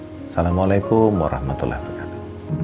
assalamualaikum warahmatullahi wabarakatuh